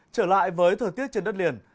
trở lại với thời tiết trên đất liền